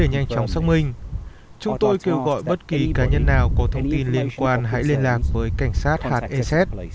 để nhanh chóng xác minh chúng tôi kêu gọi bất kỳ cá nhân nào có thông tin liên quan hãy liên lạc với cảnh sát hạt ss